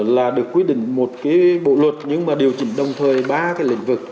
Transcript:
là được quyết định một bộ luật nhưng mà điều chỉnh đồng thời ba lĩnh vực